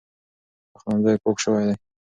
پخلنځی پاک شوی دی.